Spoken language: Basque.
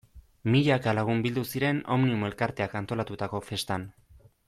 Milaka lagun bildu ziren Omnium elkarteak antolatutako festan.